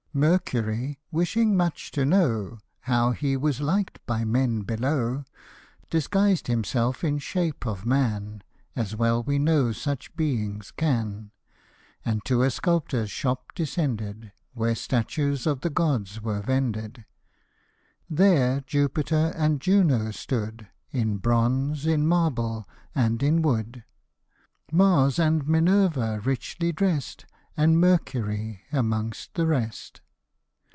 31 Mercury, wishing much to know How he was liked by men below Disguised himself in shape of man, As well we know such beings can ; And to a sculptor's shop descended, Where statues of the gods were vended : There Jupiter and Juno stood, In bronze, in marble, and in wood ; Mars and Minerva richly drest, And Mercury amongst the rest.